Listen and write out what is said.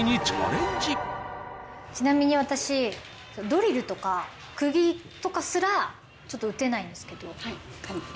ちなみに私ドリルとか釘とかすらちょっと打てないんですけど。